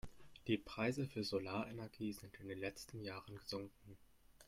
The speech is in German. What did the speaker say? Die Preise für Solarenergie sind in den letzten Jahren gesunken.